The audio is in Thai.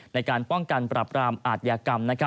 ในการป้องกันปรับรามอาทยากรรม